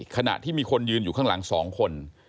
ขณะที่มีคนยืนอยู่ข้างหลัง๒คน